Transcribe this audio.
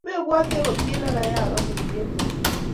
Mepwoti agot kit ne kiyaak amut kemboi